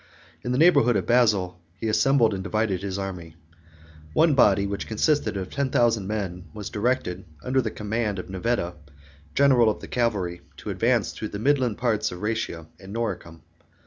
In the neighborhood of Basil he assembled and divided his army. 28 One body, which consisted of ten thousand men, was directed under the command of Nevitta, general of the cavalry, to advance through the midland parts of Rhætia and Noricum.